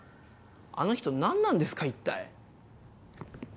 あの人何なんですか一体？